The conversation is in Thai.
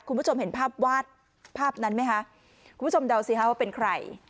คุณผู้ชมเห็นภาพวาดภาพนั้นไหมคะคุณผู้ชมเดาสิคะว่าเป็นใคร